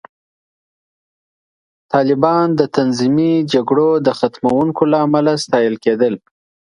طالبان د تنظیمي جګړو د ختموونکو له امله ستایل کېدل